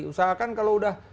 usahakan kalau udah